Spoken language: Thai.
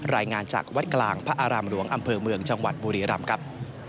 รายงานจากวัดกลางพระอารามหลวงอำเภอเมืองจังหวัดบุรีรำครับ